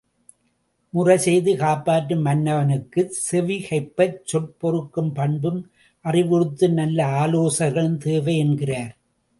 முறை செய்து காப்பாற்றும் மன்னவனுக்குச் செவிகைப்பச் சொற் பொறுக்கும் பண்பும் அறிவுறுத்தும் நல் ஆலோசகர்களும் தேவை என்கிறார்.